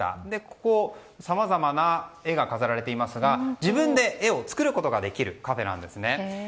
ここ、さまざまな絵が飾られていますが自分で絵を作ることができるカフェなんですね。